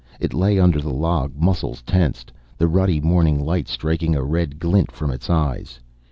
It lay under the log, muscles tensed, the ruddy morning light striking a red glint from its eyes.